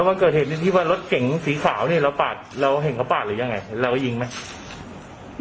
วันเกิดเหตุที่ว่ารถเก๋งสีขาวเนี่ยเราปาดเราเห็นเขาปาดหรือยังไงเราก็ยิงไหม